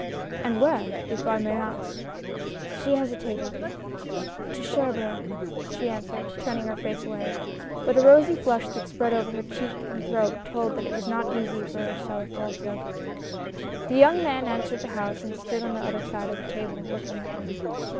" And where ? if I may ask." She hesitated "To Cherbourg," she answered, turning her face away ; but a rosy flush that spread over her cheek and throat told that it was not easy for her to tell a false hood. The young man entered the house and stood on the other side of the table, looking at her.